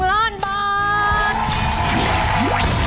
ล้านบาท